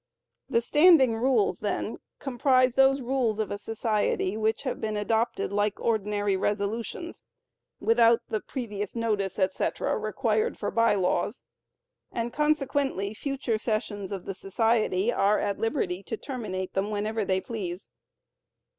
The Standing Rules, then, comprise those rules of a society which have been adopted like ordinary resolutions, without the previous notice, etc., required for By Laws, and consequently, future sessions of the society are at liberty to terminate them whenever they please.